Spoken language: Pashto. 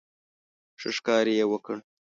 ښه ښکار یې وکړ.